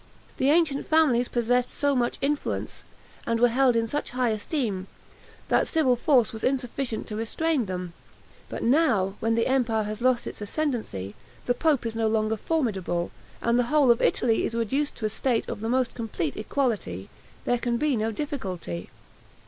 The ancient families possessed so much influence, and were held in such high esteem, that civil force was insufficient to restrain them; but now, when the empire has lost its ascendancy, the pope is no longer formidable, and the whole of Italy is reduced to a state of the most complete equality, there can be no difficulty.